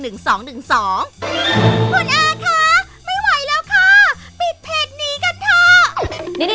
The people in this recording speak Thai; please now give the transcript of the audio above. คุณอาคะไม่ไหวแล้วค่ะปิดเพจนี้กันค่ะ